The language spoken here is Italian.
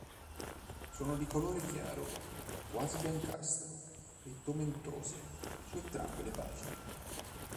Sono di colore chiaro, quasi biancastro, e tomentose su entrambe le pagine.